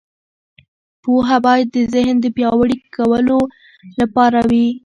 پوهه باید د ذهن د پیاوړي کولو لپاره وي.